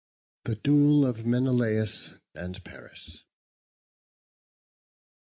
THE DUEL OF MENELAUS AND PARIS.